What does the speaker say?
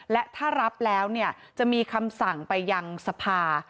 และถ้ารับแล้วจะมีคำสั่งไปยังสภา